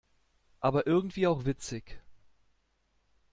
Aber irgendwie auch witzig.